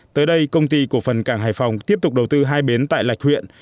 tới đây công ty cổ phần cảng hải phòng tiếp tục đầu tư hai bến tại lạch huyện